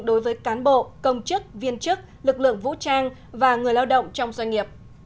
đối với cán bộ công chức viên chức lực lượng vũ trang và người lao động trong doanh nghiệp